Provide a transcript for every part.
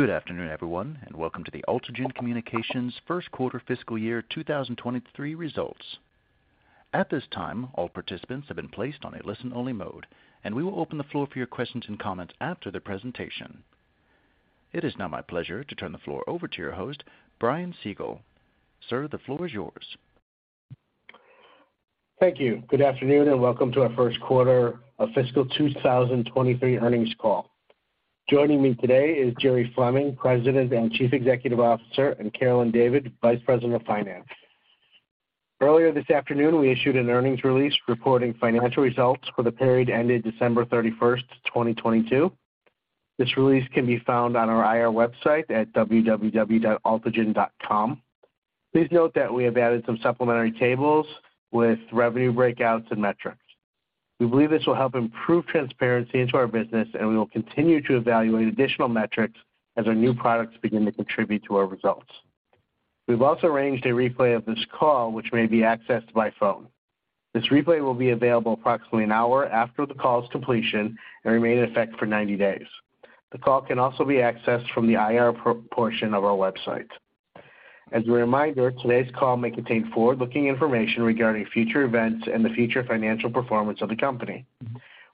Good afternoon, everyone. Welcome to the Altigen Communications first quarter fiscal year 2023 results. At this time, all participants have been placed on a listen-only mode, and we will open the floor for your questions and comments after the presentation. It is now my pleasure to turn the floor over to your host, Brian Siegel. Sir, the floor is yours. Thank you. Good afternoon. Welcome to our first quarter of fiscal 2023 earnings call. Joining me today is Jeremiah Fleming, President and Chief Executive Officer, and Carolyn David, Vice President of Finance. Earlier this afternoon, we issued an earnings release reporting financial results for the period ended December 31st, 2022. This release can be found on our IR website at www.altigen.com. Please note that we have added some supplementary tables with revenue breakouts and metrics. We believe this will help improve transparency into our business. We will continue to evaluate additional metrics as our new products begin to contribute to our results. We've also arranged a replay of this call, which may be accessed by phone. This replay will be available approximately an hour after the call's completion and remain in effect for 90 days. The call can also be accessed from the IR portion of our website. As a reminder, today's call may contain forward-looking information regarding future events and the future financial performance of the company.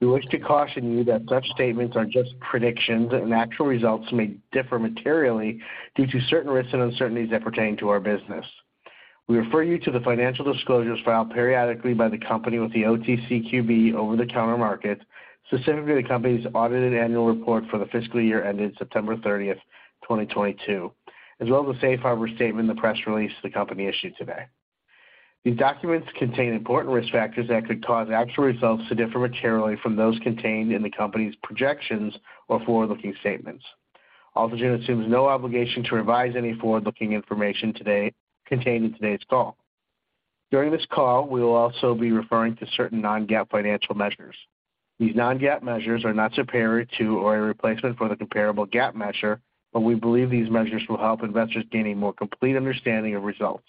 We wish to caution you that such statements are just predictions and actual results may differ materially due to certain risks and uncertainties that pertain to our business. We refer you to the financial disclosures filed periodically by the company with the OTCQB over-the-counter market, specifically the company's audited annual report for the fiscal year ended September 30, 2022, as well as the safe harbor statement in the press release the company issued today. These documents contain important risk factors that could cause actual results to differ materially from those contained in the company's projections or forward-looking statements. Altigen assumes no obligation to revise any forward-looking information contained in today's call. During this call, we will also be referring to certain non-GAAP financial measures. These non-GAAP measures are not superior to or a replacement for the comparable GAAP measure. We believe these measures will help investors gain a more complete understanding of results.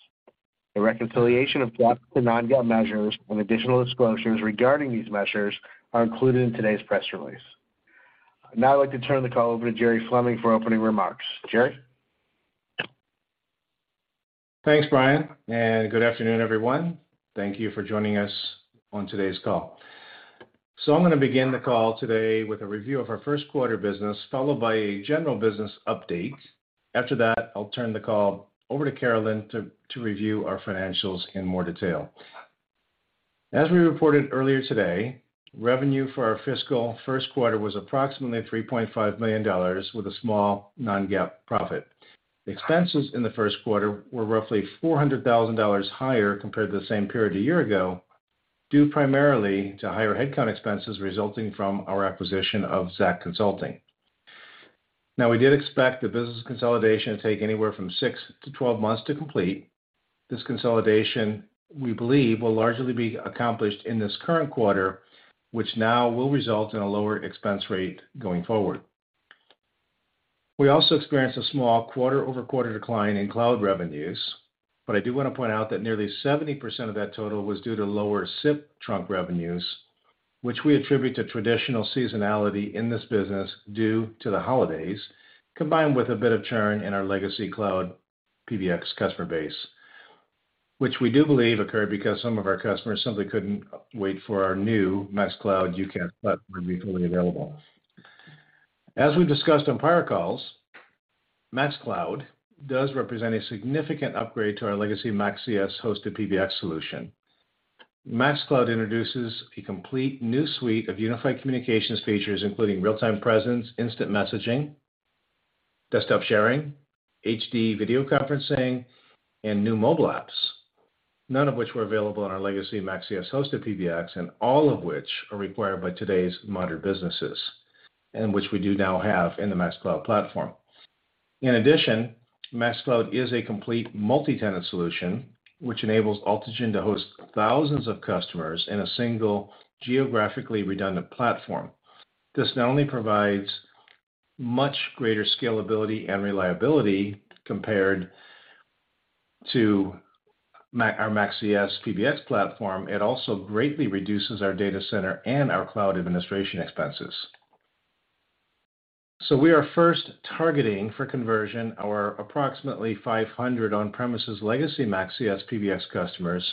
A reconciliation of GAAP to non-GAAP measures and additional disclosures regarding these measures are included in today's press release. I'd now like to turn the call over to Jeremiah Fleming for opening remarks. Jerry? Thanks, Brian. Good afternoon, everyone. Thank you for joining us on today's call. I'm gonna begin the call today with a review of our first quarter business, followed by a general business update. After that, I'll turn the call over to Carolyn to review our financials in more detail. As we reported earlier today, revenue for our fiscal first quarter was approximately $3.5 million with a small non-GAAP profit. Expenses in the first quarter were roughly $400,000 higher compared to the same period a year ago, due primarily to higher headcount expenses resulting from our acquisition of ZAACT Consulting. We did expect the business consolidation to take anywhere from 6-12 months to complete. This consolidation, we believe, will largely be accomplished in this current quarter, which now will result in a lower expense rate going forward. We also experienced a small quarter-over-quarter decline in cloud revenues, but I do wanna point out that nearly 70% of that total was due to lower SIP Trunk revenues, which we attribute to traditional seasonality in this business due to the holidays, combined with a bit of churn in our legacy cloud PBX customer base, which we do believe occurred because some of our customers simply couldn't wait for our new MaxCloud UCaaS platform to be fully available. As we've discussed on prior calls, MaxCloud does represent a significant upgrade to our legacy MaxCS hosted PBX solution. MaxCloud introduces a complete new suite of unified communications features, including real-time presence, instant messaging, desktop sharing, HD video conferencing, and new mobile apps, none of which were available in our legacy MaxCS hosted PBX, and all of which are required by today's modern businesses, and which we do now have in the MaxCloud platform. In addition, MaxCloud is a complete multi-tenant solution, which enables Altigen to host thousands of customers in a single geographically redundant platform. This not only provides much greater scalability and reliability compared to our MaxCS PBX platform, it also greatly reduces our data center and our cloud administration expenses. We are first targeting for conversion our approximately 500 on-premises legacy MaxCS PBX customers,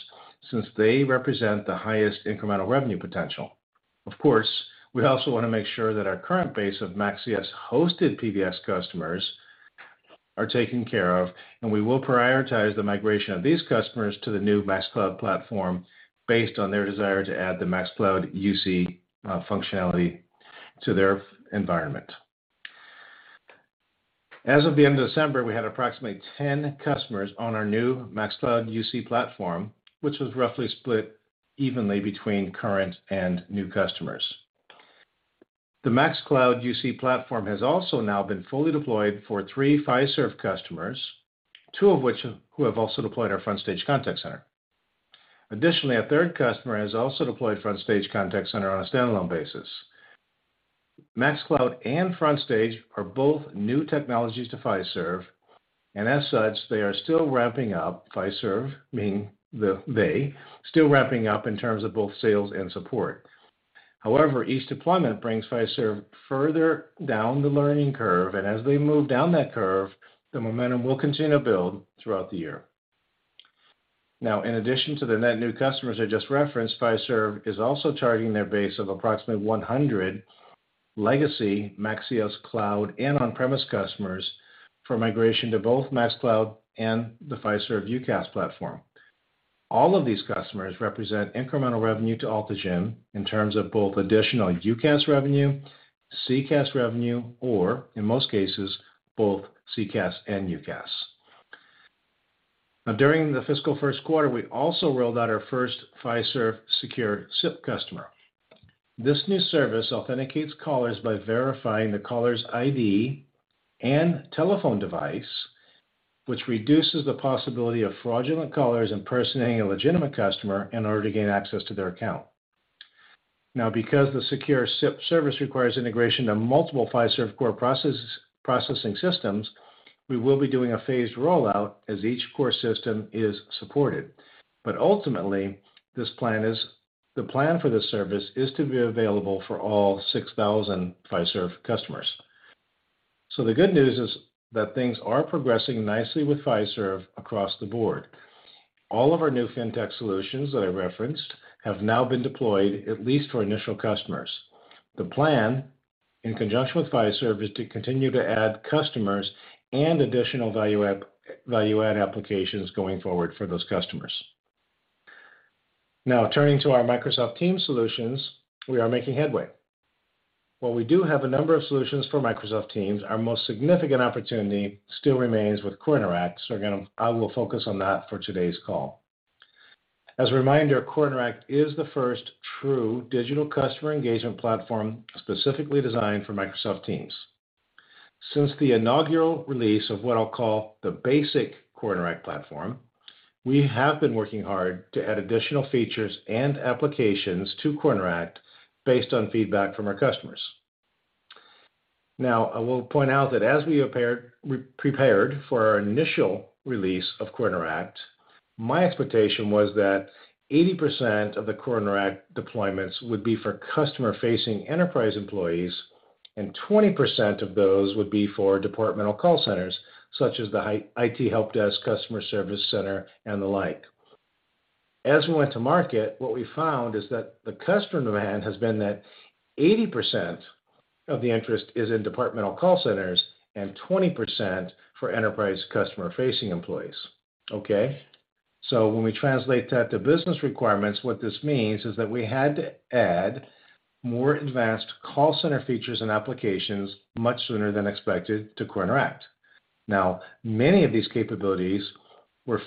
since they represent the highest incremental revenue potential. Of course, we also wanna make sure that our current base of MaxCS-hosted PBX customers are taken care of, and we will prioritize the migration of these customers to the new MaxCloud platform based on their desire to add the MaxCloud UC functionality to their environment. As of the end of December, we had approximately 10 customers on our new MaxCloud UC platform, which was roughly split evenly between current and new customers. The MaxCloud UC platform has also now been fully deployed for 3 Fiserv customers, 2 of which who have also deployed our FrontStage Contact Center. Additionally, a third customer has also deployed FrontStage Contact Center on a standalone basis. MaxCloud and FrontStage are both new technologies to Fiserv. As such, they are still ramping up Fiserv, meaning they, still ramping up in terms of both sales and support. However, each deployment brings Fiserv further down the learning curve, and as they move down that curve, the momentum will continue to build throughout the year. In addition to the net new customers I just referenced, Fiserv is also targeting their base of approximately 100 legacy MaxCS cloud and on-premise customers for migration to both MaxCloud and the Fiserv UCaaS platform. All of these customers represent incremental revenue to Altigen in terms of both additional UCaaS revenue, CCaaS revenue, or in most cases, both CCaaS and UCaaS. During the fiscal first quarter, we also rolled out our first Fiserv secure SIP customer. This new service authenticates callers by verifying the caller's ID and telephone device, which reduces the possibility of fraudulent callers impersonating a legitimate customer in order to gain access to their account. Because the secure SIP service requires integration to multiple Fiserv core processing systems, we will be doing a phased rollout as each core system is supported. Ultimately, the plan for this service is to be available for all 6,000 Fiserv customers. The good news is that things are progressing nicely with Fiserv across the board. All of our new Fintech solutions that I referenced have now been deployed, at least for initial customers. The plan, in conjunction with Fiserv, is to continue to add customers and additional value-add applications going forward for those customers. Turning to our Microsoft Teams solutions, we are making headway. While we do have a number of solutions for Microsoft Teams, our most significant opportunity still remains with CoreInteract, so again, I will focus on that for today's call. As a reminder, CoreInteract is the first true digital customer engagement platform specifically designed for Microsoft Teams. Since the inaugural release of what I'll call the basic CoreInteract platform, we have been working hard to add additional features and applications to CoreInteract based on feedback from our customers. I will point out that as we prepared for our initial release of CoreInteract, my expectation was that 80% of the CoreInteract deployments would be for customer-facing enterprise employees, and 20% of those would be for departmental call centers, such as the IT help desk, customer service center, and the like. As we went to market, what we found is that the customer demand has been that 80% of the interest is in departmental call centers and 20% for enterprise customer-facing employees. Okay? When we translate that to business requirements, what this means is that we had to add more advanced call center features and applications much sooner than expected to CoreInteract. Many of these capabilities were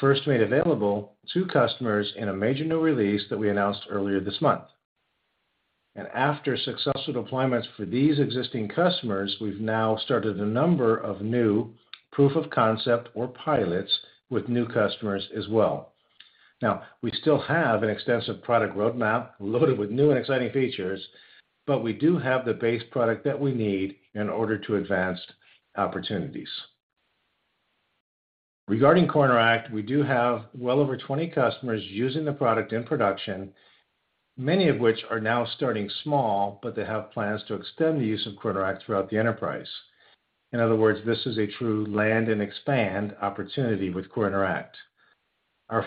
first made available to customers in a major new release that we announced earlier this month. After successful deployments for these existing customers, we've now started a number of new proof of concept or pilots with new customers as well. We still have an extensive product roadmap loaded with new and exciting features, but we do have the base product that we need in order to advance opportunities. Regarding CoreInteract, we do have well over 20 customers using the product in production, many of which are now starting small, but they have plans to extend the use of CoreInteract throughout the enterprise. In other words, this is a true land and expand opportunity with CoreInteract. Our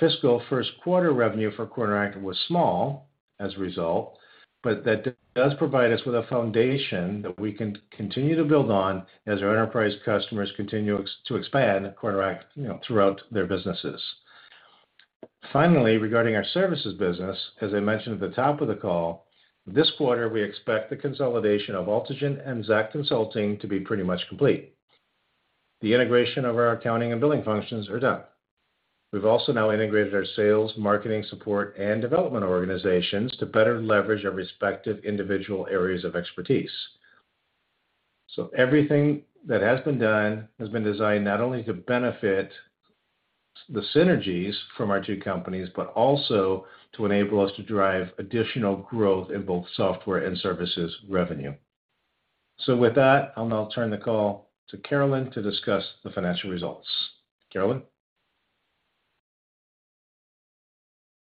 fiscal first quarter revenue for CoreInteract was small as a result, but that does provide us with a foundation that we can continue to build on as our enterprise customers continue to expand CoreInteract, you know, throughout their businesses. Finally, regarding our services business, as I mentioned at the top of the call, this quarter we expect the consolidation of Altigen and ZAACT Consulting to be pretty much complete. The integration of our accounting and billing functions are done. We've also now integrated our sales, marketing, support, and development organizations to better leverage our respective individual areas of expertise. Everything that has been done has been designed not only to benefit the synergies from our two companies, but also to enable us to drive additional growth in both software and services revenue. With that, I'll now turn the call to Carolyn to discuss the financial results. Carolyn?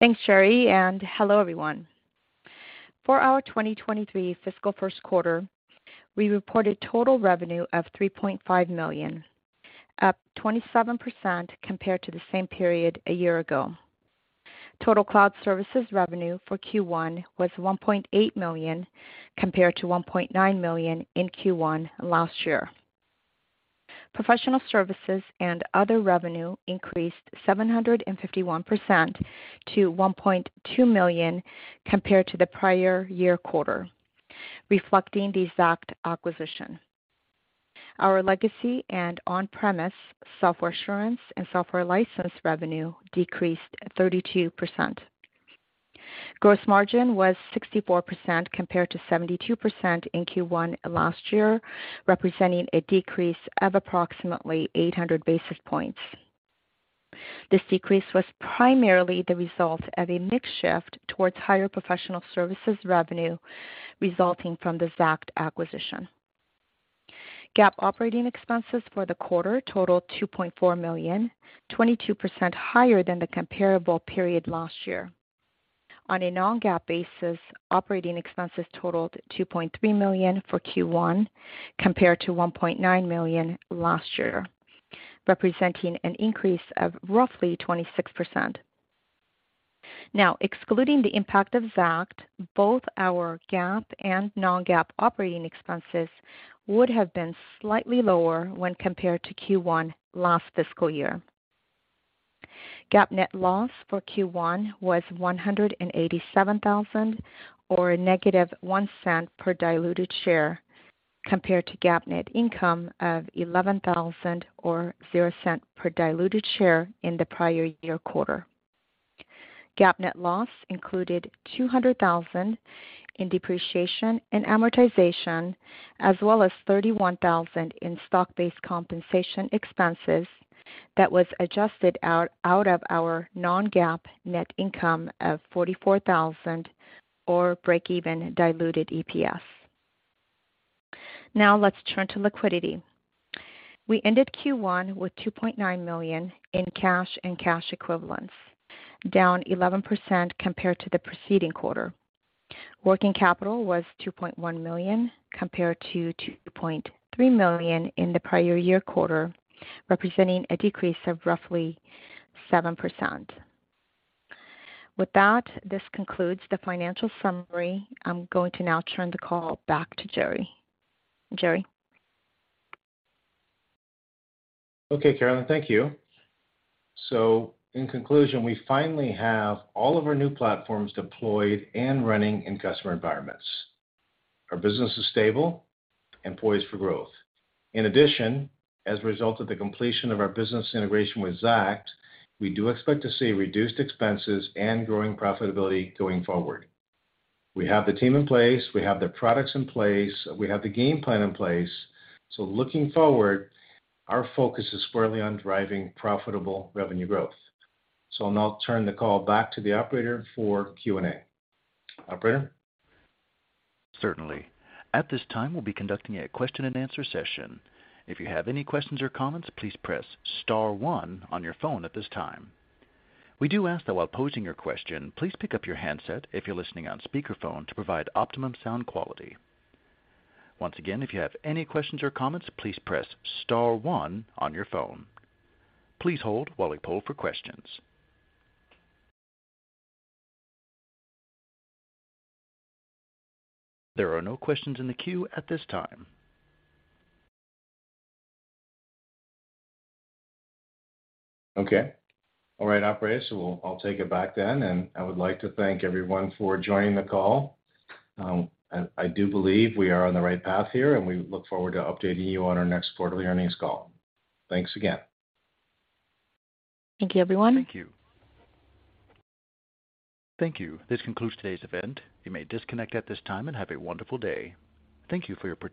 Thanks, Jerry, and hello, everyone. For our 2023 fiscal first quarter, we reported total revenue of $3.5 million, up 27% compared to the same period a year ago. Total cloud services revenue for Q1 was $1.8 million, compared to $1.9 million in Q1 last year. Professional services and other revenue increased 751% to $1.2 million compared to the prior year quarter, reflecting the ZAACT acquisition. Our legacy and on-premise software assurance and software license revenue decreased 32%. Gross margin was 64% compared to 72% in Q1 last year, representing a decrease of approximately 800 basis points. This decrease was primarily the result of a mix shift towards higher professional services revenue resulting from the ZAACT acquisition. GAAP operating expenses for the quarter totaled $2.4 million, 22% higher than the comparable period last year. On a non-GAAP basis, operating expenses totaled $2.3 million for Q1 compared to $1.9 million last year, representing an increase of roughly 26%. Excluding the impact of ZAACT, both our GAAP and non-GAAP operating expenses would have been slightly lower when compared to Q1 last fiscal year. GAAP net loss for Q1 was $187,000 or -$0.01 per diluted share, compared to GAAP net income of $11,000 or $0.00 per diluted share in the prior year quarter. GAAP net loss included $200,000 in depreciation and amortization, as well as $31,000 in stock-based compensation expenses that was adjusted out of our non-GAAP net income of $44,000 or break-even diluted EPS. Let's turn to liquidity. We ended Q1 with $2.9 million in cash and cash equivalents, down 11% compared to the preceding quarter. Working capital was $2.1 million compared to $2.3 million in the prior year quarter, representing a decrease of roughly 7%. With that, this concludes the financial summary. I'm going to now turn the call back to Jerry. Jerry? Okay, Carolyn. Thank you. In conclusion, we finally have all of our new platforms deployed and running in customer environments. Our business is stable and poised for growth. In addition, as a result of the completion of our business integration with ZAACT, we do expect to see reduced expenses and growing profitability going forward. We have the team in place. We have the products in place. We have the game plan in place. Looking forward, our focus is squarely on driving profitable revenue growth. I'll now turn the call back to the operator for Q&A. Operator? Certainly. At this time, we'll be conducting a question-and-answer session. If you have any questions or comments, please press star one on your phone at this time. We do ask, though, while posing your question, please pick up your handset if you're listening on speakerphone to provide optimum sound quality. Once again, if you have any questions or comments, please press star one on your phone. Please hold while we poll for questions. There are no questions in the queue at this time. All right, operator, I'll take it back then. I would like to thank everyone for joining the call. I do believe we are on the right path here, and we look forward to updating you on our next quarterly earnings call. Thanks again. Thank you, everyone. Thank you. Thank you. This concludes today's event. You may disconnect at this time and have a wonderful day. Thank you for your participation.